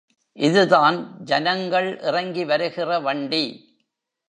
இதுதான் ஜனங்கள் இறங்கி வருகிற வண்டி.